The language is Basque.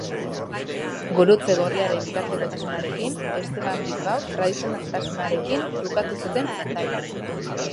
Gurutze Gorriaren bitartekotasunarekin Esteban Bilbao tradizionalistarekin trukatu zuten Hendaian.